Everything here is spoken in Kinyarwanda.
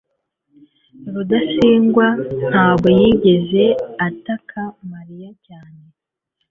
rudasingwa ntabwo yigeze ataka mariya cyane